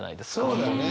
そうだよね。